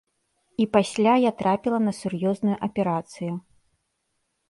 І пасля я трапіла на сур'ёзную аперацыю.